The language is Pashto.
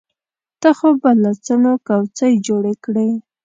ته خو به له څڼو کوڅۍ جوړې کړې.